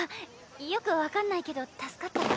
よく分かんないけど助かったわ。